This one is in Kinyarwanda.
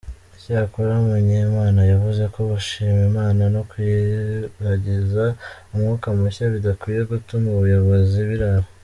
Icyakora Munyemana yavuze ko gushima Imana no kuyiragiza umwaka mushya bidakwiye gutuma abayobozi birara.